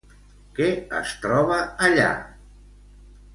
Què es troba allà?